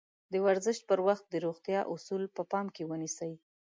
د ورزش پر وخت د روغتيا اَصول په پام کې ونيسئ.